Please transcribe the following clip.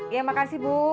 iya makasih bu